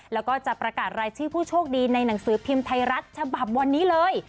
แล้วก็จะประกาศรายชื่อผู้โชคดีในหนังสือพิมพ์ไทยรัฐฉบับวันนี้เลย